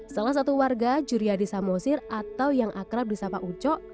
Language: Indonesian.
salah satu warga juriadi samosir atau yang akrab di sapa ucok